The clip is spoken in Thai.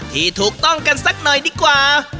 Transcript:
ที่ถูกต้องกันสักหน่อยดีกว่า